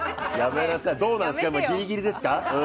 どうなんですか、ギリギリですか。